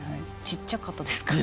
ちっちゃかったですか。